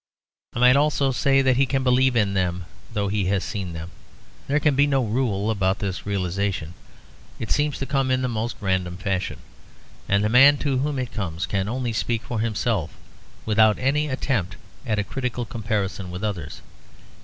I might almost say that he can believe in them although he has seen them. There can be no rule about this realisation; it seems to come in the most random fashion; and the man to whom it comes can only speak for himself without any attempt at a critical comparison with others.